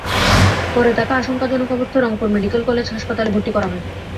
পরে তাঁকে আশঙ্কাজনক অবস্থায় রংপুর মেডিকেল কলেজ হাসপাতালে ভর্তি করা হয়।